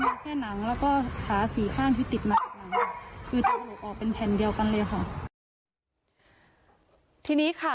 ให้แค่นังแล้วก็ขาสี่ข้างที่ติดมา